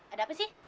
ada apa sih